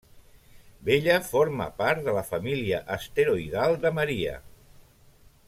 Bella forma part de la família asteroidal de Maria.